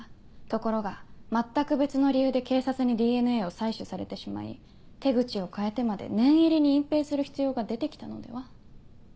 ところが全く別の理由で警察にＤＮＡを採取されてしまい手口を変えてまで念入りに隠蔽する必要が出て来たのでは？